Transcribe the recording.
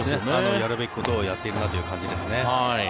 やるべきことをやっているなという感じですね。